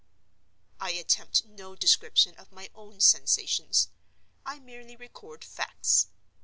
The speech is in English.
I attempt no description of my own sensations: I merely record facts.